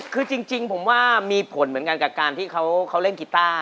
คือจริงผมว่ามีผลเหมือนกันกับการที่เขาเล่นกีต้า